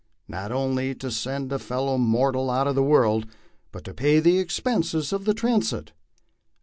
Not only to send a fellow mortal out of the world, but to pay the expenses of the transit.